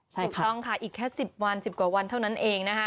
ถูกต้องค่ะอีกแค่๑๐วัน๑๐กว่าวันเท่านั้นเองนะคะ